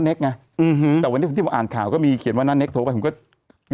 เป็นไงแหละก็เชิญพี่หนุ่มไปไล่ด้วย